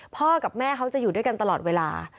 พ่อกับแม่เขาจะอยู่ด้วยกันตลอดเวลา